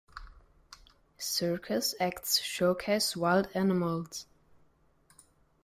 Circus acts showcased wild animals.